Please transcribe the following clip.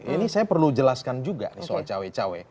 ini saya perlu jelaskan juga nih soal cawe cawe